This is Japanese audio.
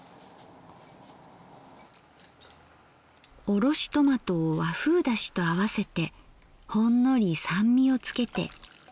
おろしトマトを和風だしと合わせてほんのり酸味をつけて。